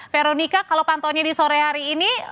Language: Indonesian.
veronica kalau pantaunya di sore hari ini